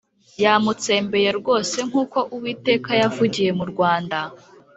yamutsembeye rwose nk uko Uwiteka yavugiye mu rwanda